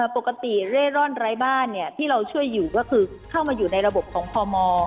ปกติเร่ร่อนไร้บ้านที่เราช่วยอยู่ก็คือเข้ามาอยู่ในระบบของพม